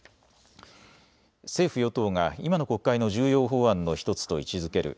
政府与党が今の国会の重要法案の１つと位置づける